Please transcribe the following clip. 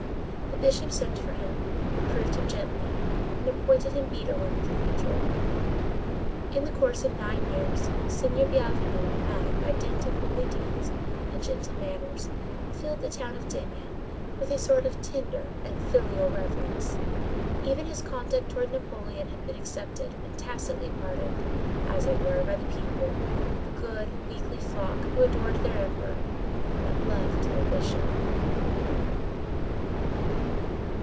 The Bishop sent for him, reproved him gently, and appointed him beadle in the cathedral. In the course of nine years Monseigneur Bienvenu had, by dint of holy deeds and gentle manners, filled the town of D——with a sort of tender and filial reverence. Even his conduct towards Napoleon had been accepted and tacitly pardoned, as it were, by the people, the good and weakly flock who adored their emperor, but loved their bishop.